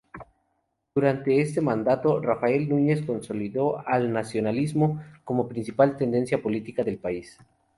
Durante este mandato, Rafael Núñez consolidó al "nacionalismo" como principal tendencia política del país.